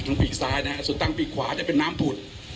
ปีกซ้ายนะฮะสุดตั้งปีกขวาจะเป็นน้ำผุด